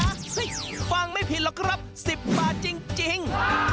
ฮิ๊ฮี่ฟังไม่ผิดหรอกครับสิบบาทจริง